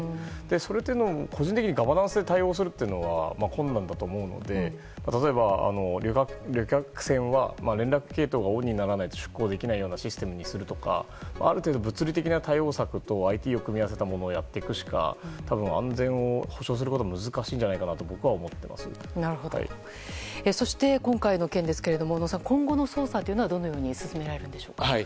それというのも個人的にガバナンスで対応するというのは困難だと思うので例えば、旅客船は連絡系統がオンにならないと出航できないようにするシステムにするとかある程度、物理的なシステムやＩＴを組み合わせたものをやっていくしか安全を保障することは難しいんじゃないかとそして今回の件ですが小野さん、今後の捜査はどのように進められますか？